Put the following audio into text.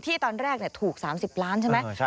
ตอนแรกถูก๓๐ล้านใช่ไหม